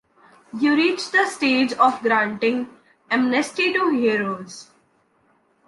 You reach the stage of granting amnesty to heroes!